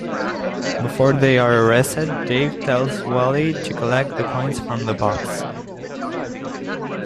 Before they are arrested, Dave tells Wally to collect the coins from the box.